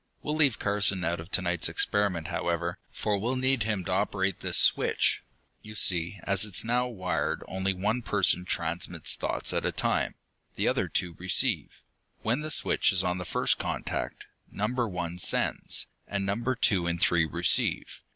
We'll leave Carson out of to night's experiment, however, for we'll need him to operate this switch. You see, as it is now wired only one person transmits thoughts at a time. The other two receive. When the switch is on the first contact, Number One sends, and Numbers Two and Three receive.